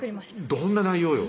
どんな内容よ？